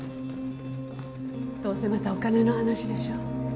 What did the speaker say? どうせまたお金の話でしょ？